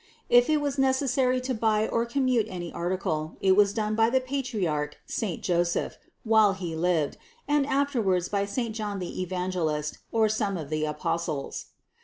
If it was necessary to buy or commute any article, it was done by the patriarch saint Joseph, while he lived, and afterwards by saint John the evangelist, or some of the Apostles.